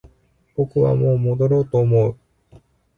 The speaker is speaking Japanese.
僕はもう戻ろうと思う